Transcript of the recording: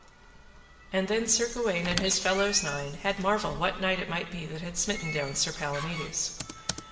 And then Sir Gawaine and his fellows nine had marvel what knight it might be that had smitten down Sir Palamides.